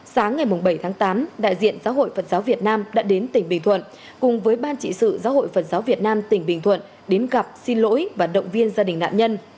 sáng ngày bảy tháng tám đại diện giáo hội phật giáo việt nam đã đến tỉnh bình thuận cùng với ban trị sự giáo hội phật giáo việt nam tỉnh bình thuận đến gặp xin lỗi và động viên gia đình nạn nhân